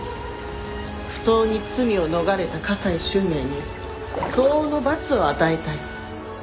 不当に罪を逃れた加西周明に相応の罰を与えたい。